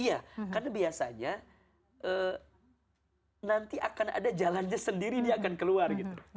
iya karena biasanya nanti akan ada jalannya sendiri dia akan keluar gitu